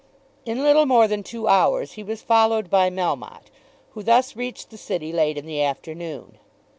In little more than two hours he was followed by Melmotte, who thus reached the City late in the afternoon.